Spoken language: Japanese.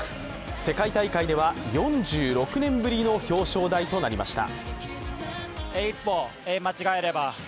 世界大会では、４６年ぶりの表彰台となりました。